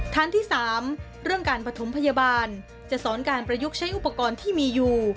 ทางที่๓เรื่องการปฐมพยาบาลจะสอนการประยุกต์ใช้อุปกรณ์ที่มีอยู่